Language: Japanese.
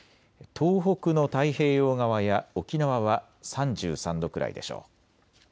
東北の太平洋側や沖縄は３３度くらいでしょう。